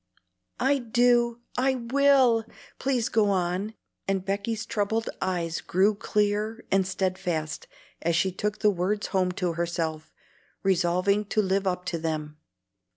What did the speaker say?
"I do! I will! please go on," and Becky's troubled eyes grew clear and steadfast as she took the words home to herself, resolving to live up to them.